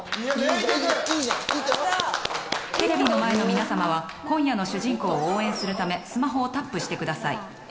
テレビの前の皆さまは今夜の主人公を応援するためスマホをタップしてください。